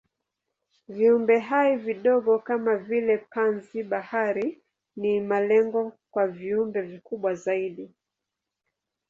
Viumbehai vidogo kama vile panzi-bahari ni malengo kwa viumbe vikubwa zaidi.